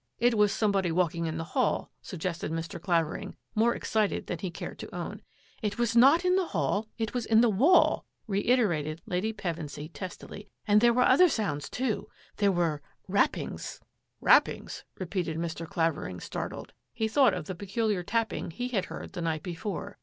" It was somebody walking in the hall," sug gested Mr. Clavering, more excited than he cared to own. " It was not in the hall, it was in the wall," re iterated Lady Pevensy testily, " and there were other soimds too; there were — rappings!" THE NORTH WING 63 " Rappings !" repeated Mr: Clavering, startled. He thought of the peculiar tapping he had heard the night before.